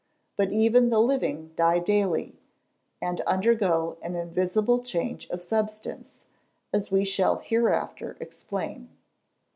But even the living die daily, and undergo an invisible change of substance, as we shall hereafter explain.